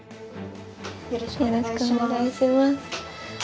よろしくお願いします。